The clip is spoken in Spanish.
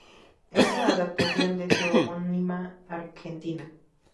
Es la adaptación de su homónima argentina.